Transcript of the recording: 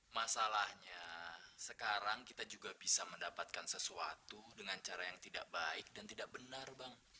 masalahnya sekarang kita juga bisa mendapatkan sesuatu dengan cara yang tidak baik dan tidak benar bang